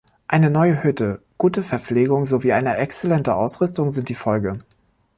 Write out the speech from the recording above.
Eine neue Hütte, gute Verpflegung sowie eine exzellente Ausrüstung sind die Folge.